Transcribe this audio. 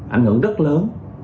ảnh hưởng rất lớn